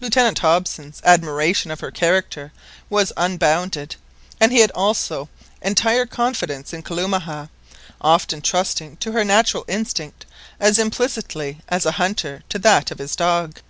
Lieutenant Hobson's admiration of her character was unbounded, and he had also entire confidence in Kalumah, often trusting to her natural instinct as implicitly as a hunter to that of his dog.